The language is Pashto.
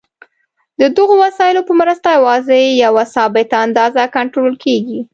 د دغو وسایلو په مرسته یوازې یوه ثابته اندازه کنټرول کېږي.